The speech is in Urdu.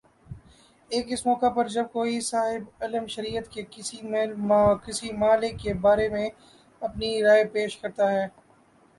ایک اس موقع پر جب کوئی صاحبِ علم شریعت کے کسی مئلے کے بارے میں اپنی رائے پیش کرتا ہے